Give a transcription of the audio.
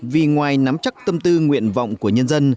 vì ngoài nắm chắc tâm tư nguyện vọng của nhân dân